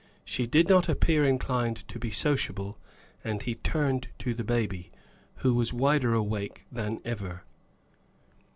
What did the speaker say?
She did not appear inclined to be sociable, and he turned to the baby, who was wider awake than ever.